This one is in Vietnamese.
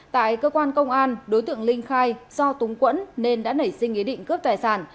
tại cơ quan công an đối tượng linh khai do túng quẫn nên đã nảy sinh ý định cướp tài sản